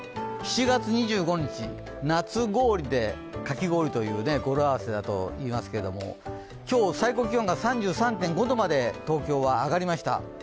７月２５日、なつごおりでかき氷という語呂合わせだといいますけど今日最高気温が３３．５度まで東京は上がりました。